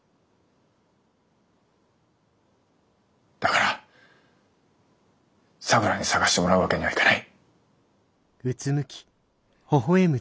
だから咲良に探してもらうわけにはいかない。